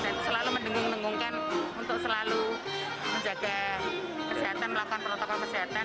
dan selalu mendengung dengungkan untuk selalu menjaga kesehatan melakukan protokol kesehatan